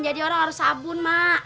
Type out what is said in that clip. orang harus sabun mak